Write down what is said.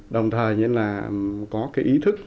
đồng thời là có cái ý thức